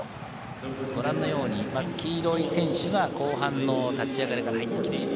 ご覧のように黄色い選手が後半の立ち上がりから入ってきました。